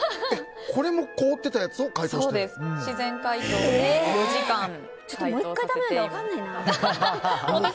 これも凍ってたやつを解凍した？